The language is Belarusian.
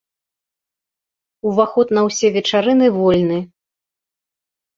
Уваход на ўсе вечарыны вольны.